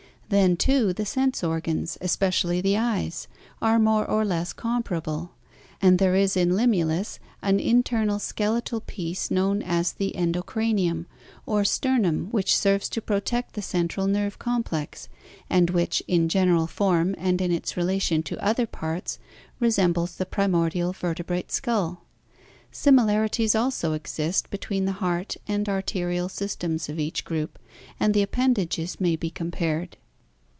Then, too, the sense organs, especially the eyes, are more or less comparable, and there is in Limulus an in ternal skeletal piece known as the "endocranium" or sternum which serves to pro tect the central nerve com plex, and which in general form and in its relation to other parts resembles the primordial vertebrate skull. Similarities also exist be tween the heart and arterial systems of each group and the appendages may be compared.